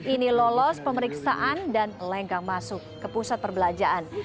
ini lolos pemeriksaan dan lenggang masuk ke pusat perbelanjaan